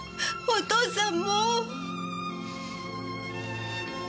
お父さん。